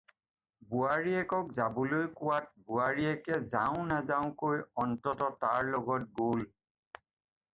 বোৱাৰীয়েকক যাবলৈ কোৱাত বোৱাৰীয়েকে যাওঁ-নাযাওঁকৈ অন্তত তাৰ লগত গ'ল।